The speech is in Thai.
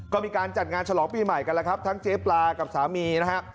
ก็มีการจัดงานฉลองปีใหม่กันแล้วครับทั้งเจ๊ปลากับสามีนะฮะ